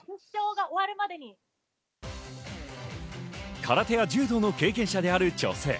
空手や柔道の経験者である女性。